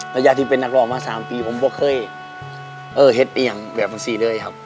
ระยะที่เป็นนักร้องมา๓ปีผมก็เคยเห็ดเอียงแบบบัญชีเลยครับ